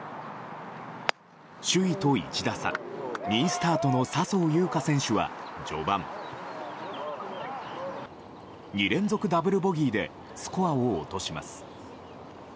首位と１打差、２位スタートの笹生優花選手は序盤２連続ダブルボギーでスコアを落とします。